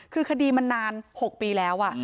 คือคดีมันนาน๖ปีแล้ว